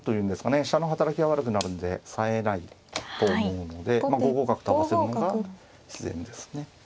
飛車の働きが悪くなるんでさえないと思うので５五角と合わせるのが自然ですね。